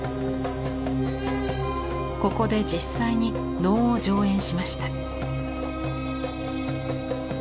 ここで実際に能を上演しました。